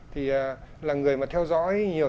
thì là người mà theo dõi nhiều